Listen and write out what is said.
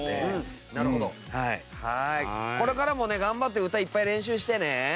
これからもね頑張って歌いっぱい練習してね。